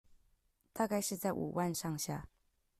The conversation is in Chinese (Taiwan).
大概是在五萬上下